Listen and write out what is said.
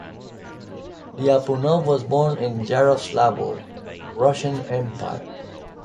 Lyapunov was born in Yaroslavl, Russian Empire.